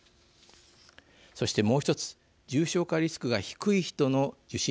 そして、もう一つ重症化リスクが低い人の受診